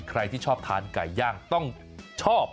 ใครที่ชอบทานไก่ย่างต้องชอบ